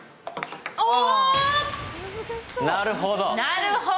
なるほど。